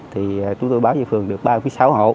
thì chúng tôi báo cho phường được ba mươi sáu hộ